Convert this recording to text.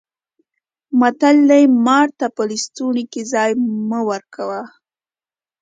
متل دی: مار ته په لستوڼي کې ځای مه ورکوه.